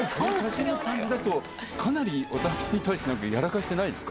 かなり小澤さんに対して、なんかやらかしてないですか？